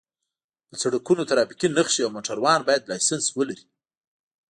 په سرکونو ټرافیکي نښې او موټروان باید لېسنس ولري